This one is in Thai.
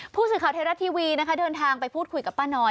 ผู้สื่อข่าวไทยรัฐทีวีนะคะเดินทางไปพูดคุยกับป้าน้อย